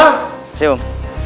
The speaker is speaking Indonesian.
terima kasih om